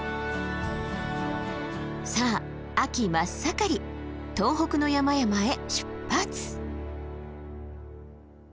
さあ秋真っ盛り東北の山々へ出発！